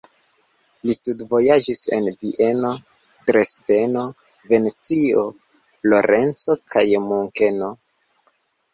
Li studvojaĝis en Vieno, Dresdeno, Venecio, Florenco kaj Munkeno.